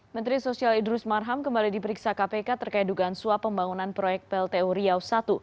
menteri sosial idrus marham kembali diperiksa kpk terkait dugaan suap pembangunan proyek pltu riau i